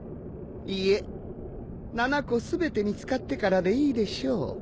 いえ７個全て見つかってからでいいでしょう。